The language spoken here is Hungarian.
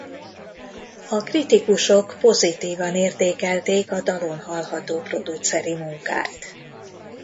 A kritikusok pozitívan értékelték a dalon hallható produceri munkát.